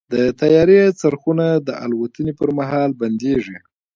د طیارې څرخونه د الوتنې پر مهال بندېږي.